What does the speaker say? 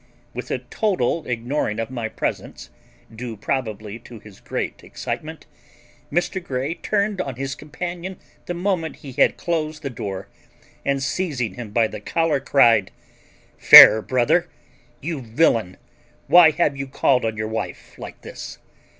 With a total ignoring of my presence, due probably to his great excitement, Mr. Grey turned on his companion the moment he had closed the door and, seizing him by the collar, cried: "Fairbrother, you villain, why have you called on your wife like this?